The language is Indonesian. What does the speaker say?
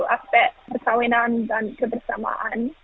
aspek persawanan dan kebersamaan